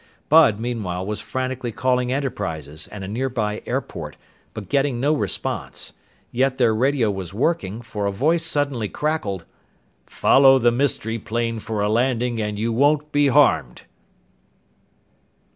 Bud, meanwhile, was frantically calling Enterprises and a nearby airport, but getting no response. Yet their radio was working, for a voice suddenly crackled: "_Follow the mystery plane for a landing and you won't be harmed!